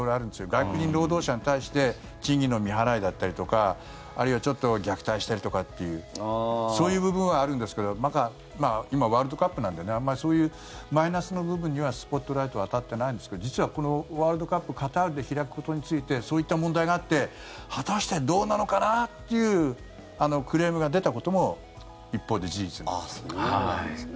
外国人労働者に対して賃金の未払いだったりとかあるいは、ちょっと虐待しているとかっていうそういう部分はあるんですけど今、ワールドカップなんであまりそういうマイナスの部分にはスポットライトは当たってないんですけど実はこのワールドカップカタールで開くことについてそういった問題があって果たしてどうなのかな？というクレームが出たことも一方で事実なんです。